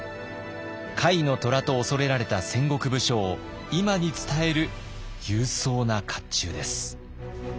甲斐の虎と畏れられた戦国武将を今に伝える勇壮な甲冑です。